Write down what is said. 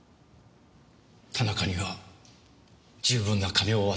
田中には十分な金を渡しました。